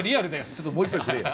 ちょっともう１杯くれよ。